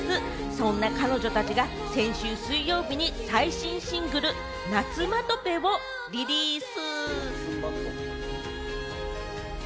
そんな彼女たちが先週水曜日に最新シングル『ナツマトペ』をリリース。